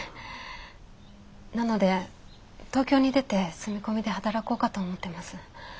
なので東京に出て住み込みで働こうかと思ってます。